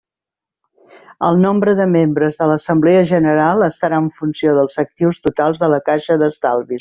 El nombre de membres de l'assemblea general estarà en funció dels actius totals de la caixa d'estalvis.